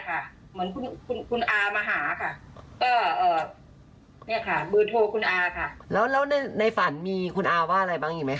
คุณอามาหาก็โบราณโดโทรคุณอาค่ะแล้วในฝันมีอะไรบ้างอีกไหม